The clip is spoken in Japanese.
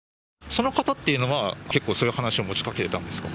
その方っていうのは、結構そういう話を持ちかけてたんですか。